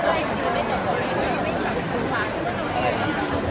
พี่เจ้ามันความแทง